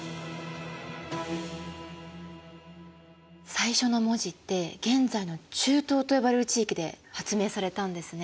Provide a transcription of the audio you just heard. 最初の文字って現在の中東と呼ばれる地域で発明されたんですね。